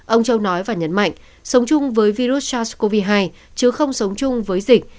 ông châu nói và nhấn mạnh sống chung với virus sars cov hai chứ không sống chung với dịch